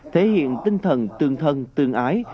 thể hiện tinh thần tương thân tương ái